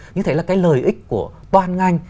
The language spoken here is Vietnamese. như thế là cái lợi ích của toàn ngành